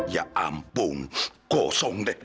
ya ampun kosong deh